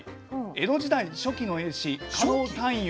江戸時代初期の絵師狩野探幽